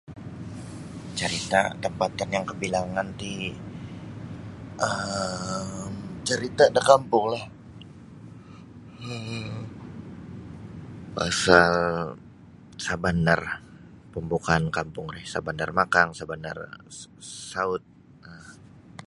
Carita' tampatan yang kabilangan ti um carita' da kampunglah um pasal shahbandar pambukaan kampung ri Shahbandar Makang Shahbandar Saud um